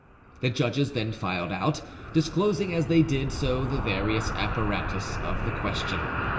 The judges then filed out, disclosing as they did so the various apparatus of the question.